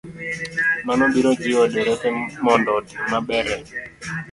Mano biro jiwo derepe mondo otim maber e